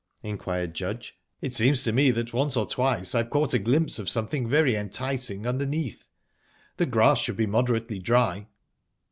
inquired Judge. "It seems to me that once or twice I've half caught a glimpse of something very enticing underneath. The grass should be moderately dry."